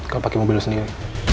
kalau pakai mobil sendiri